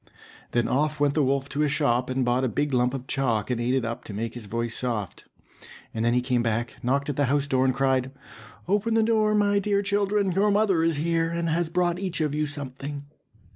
Then off went the wolf to a shop and bought a big lump of chalk, and ate it up to make his voice soft. And then he came back, knocked at the house door, and cried, "Open the door, my dear children, your mother is here, and has brought each of you something."